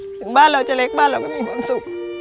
ถึงบ้านเราจะเล็กบ้านเราก็มีความสุข